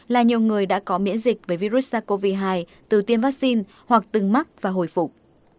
là nhiều người đã có miễn dịch với virus sars cov hai từ tiêm vaccine hoặc từng mắc và hồi phục